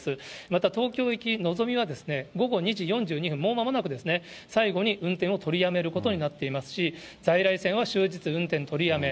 また東京行きのぞみは午後２時４２分、もうまもなく、最後に運転を取りやめることになっていますし、在来線は終日、運転取りやめ。